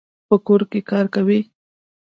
په کور کي کار کوي.